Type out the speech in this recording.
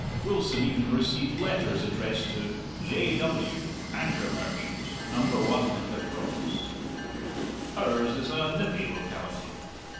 Wilson even received letters addressed to "J. W., Anchor Merchant, No. 1 The Cross." Ours is a nippy locality.